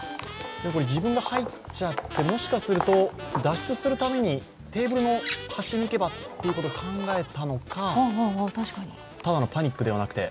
自分で入っちゃって、もしかすると脱出するためにテーブルの端に行けばということを考えたのか、ただのパニックではなくて。